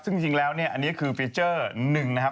ซึ่งจริงแล้วเนี่ยอันนี้คือฟีเจอร์หนึ่งนะครับ